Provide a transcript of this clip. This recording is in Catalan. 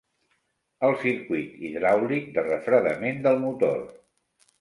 El circuit hidràulic de refredament del motor.